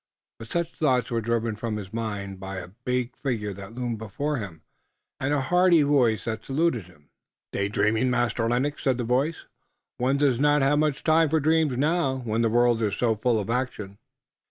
But such thoughts were driven from his mind by a big figure that loomed before him and a hearty voice that saluted him. "Day dreaming, Master Lennox?" said the voice. "One does not have much time for dreams now, when the world is so full of action."